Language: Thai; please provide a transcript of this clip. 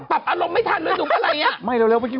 ปรับอารมณ์ไม่ทันเลยหนุ่มเปล่าอะไรอย่างนี้